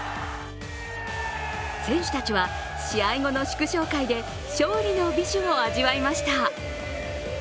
選手たちは試合後の祝勝会で勝利の美酒を味わいました。